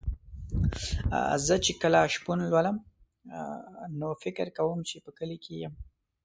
زه چې کله شپون لولم نو فکر کوم چې په کلي کې یم.